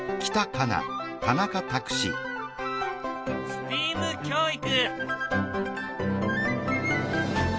ＳＴＥＡＭ教育。